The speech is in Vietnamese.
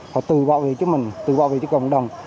họ tự bảo vệ cho mình tự bảo vệ cho cộng đồng